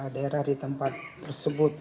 di tempat tersebut